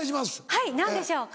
はい何でしょうか？